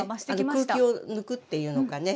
空気を抜くっていうのかね。